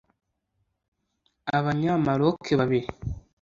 Abanya – Maroc babiri